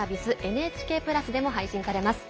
ＮＨＫプラスでも配信されます。